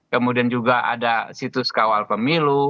kemudian juga ada situs kawal pemilu